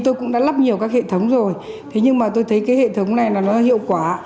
tôi cũng đã lắp nhiều các hệ thống rồi thế nhưng mà tôi thấy cái hệ thống này là nó hiệu quả